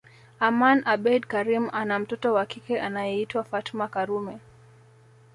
Aman abeid Karim ana mtoto wa kike anayeitwa Fatma Karume